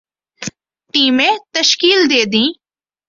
ٹیمیں تشکیل دے دیں